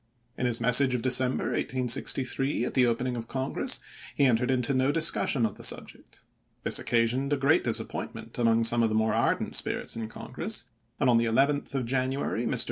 In his message of December, 1863, at the opening of Congress, he entered into no discussion of the subject. This occasioned a great disappointment among some of the more ardent spirits in Congress, and on the 11th of January Mr. lse*.